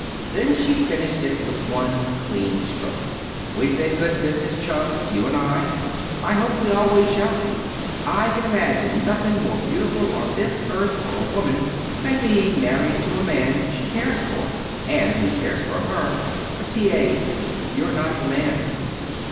Then she finished it with one clean stroke. "We've been good business chums, you and I. I hope we always shall be. I can imagine nothing more beautiful on this earth for a woman than being married to a man she cares for and who cares for her. But, T. A., you're not the man."